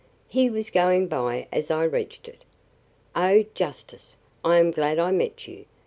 "He was going by as I reached it. 'Oh, justice, I am glad I met you.